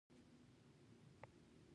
علي تل شتمنو خلکوته لکۍ خوروي.